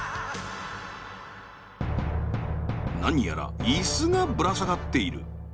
何やら椅子がぶら下がっている。